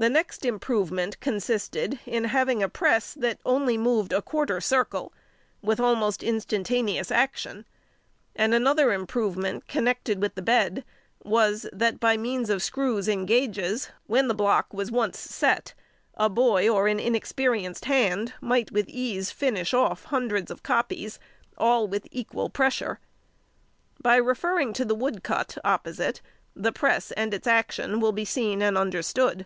The next improvement consisted in having a press that only moved a quarter circle, with almost instantaneous action; and another improvement connected with the bed was, that by means of screws and gauges, when the block was once set, a boy or an inexperienced hand might with ease finish off hundreds of copies, all with equal pressure. By referring to the woodcut opposite, the press and its action will be seen and understood.